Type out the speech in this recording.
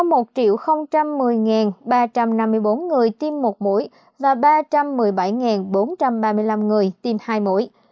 ba trăm năm mươi bốn người tiêm một mũi và ba trăm một mươi bảy bốn trăm ba mươi năm người tiêm hai mũi